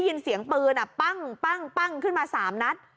ยินเสียงปืนปั้งขึ้นมา๓นัด